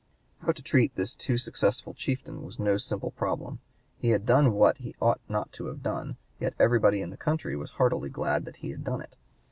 How to treat this too successful chieftain was no simple problem. He had done what he ought not to have done, yet everybody in the country was heartily glad that he had done it.